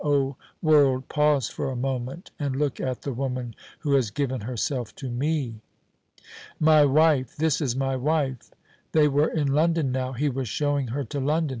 Oh, world, pause for a moment and look at the woman who has given herself to me!" "My wife this is my wife!" They were in London now; he was showing her to London.